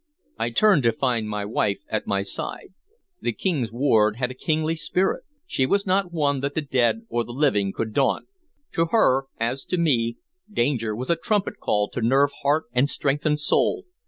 I turned to find my wife at my side. The King's ward had a kingly spirit; she was not one that the dead or the living could daunt. To her, as to me, danger was a trumpet call to nerve heart and strengthen soul.